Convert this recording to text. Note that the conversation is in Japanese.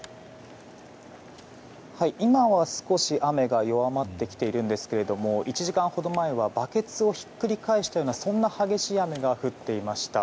今は少し雨が弱まってきているんですが１時間ほど前はバケツをひっくり返したような激しい雨が降っていました。